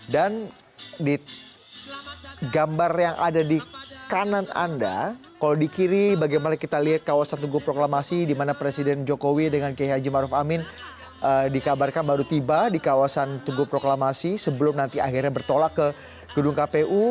di gambar yang ada di kanan anda kalau di kiri bagaimana kita lihat kawasan tugu proklamasi di mana presiden jokowi dengan ki haji maruf amin dikabarkan baru tiba di kawasan tugu proklamasi sebelum nanti akhirnya bertolak ke gedung kpu